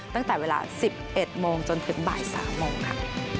ตั้งแต่เวลา๑๑โมงจนถึงบ่าย๓โมงค่ะ